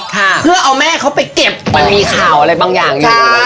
ค่ะเพื่อเอาแม่เขาไปเก็บมันมีข่าวอะไรบางอย่างอยู่